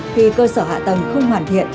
khi cơ sở hạ tầng không hoàn thiện